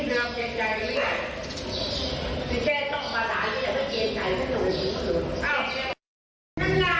ผมเป็นเพราะไม่เทวนมินเทา